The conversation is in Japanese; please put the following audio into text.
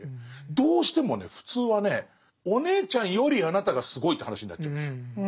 どうしてもね普通はねお姉ちゃんよりあなたがすごいって話になっちゃうんですよ。